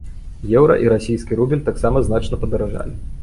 Еўра і расійскі рубель таксама значна падаражалі.